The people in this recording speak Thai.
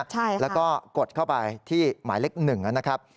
ใช่ค่ะแล้วก็กดเข้าไปที่หมายเล็ก๑นะครับ